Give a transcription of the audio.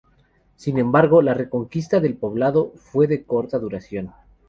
Sin embargo, la reconquista del poblado fue de corta duración.